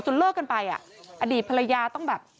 เลิกกันไปอ่ะอดีตภรรยาต้องแบบ